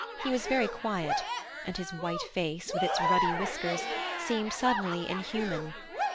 He was very quiet, and his white face, with its ruddy whiskers, seemed suddenly inhuman.